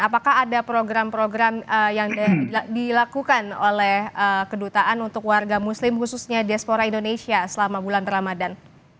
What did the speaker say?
apakah ada program program yang dilakukan oleh kedutaan untuk warga muslim khususnya diaspora indonesia selama bulan ramadan